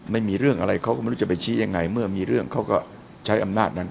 ไม่มีเรื่องอะไรเขาก็ไม่รู้จะไปชี้ยังไงเมื่อมีเรื่องเขาก็ใช้อำนาจนั้น